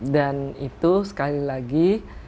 itu sekali lagi